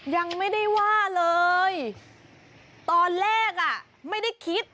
ยังไม่ได้ว่าเลยตอนแรกอ่ะไม่ได้คิด